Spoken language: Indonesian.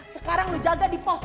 sekarang lu jaga di pos